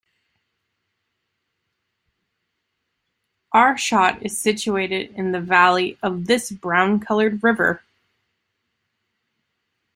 Aarschot is situated in the valley of this brown-colored river.